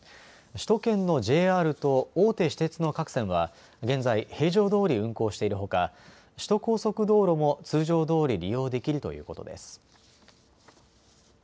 首都圏のＪＲと大手私鉄の各線は現在平常どおり運行しているほか、首都高速道路も通常どおり利用できるということです。